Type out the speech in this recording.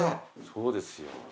そうですよ。